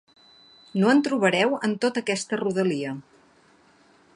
No en trobareu en tota aquesta rodalia.